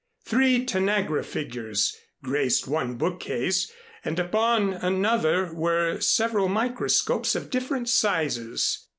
Three Tanagra figures graced one bookcase and upon another were several microscopes of different sizes.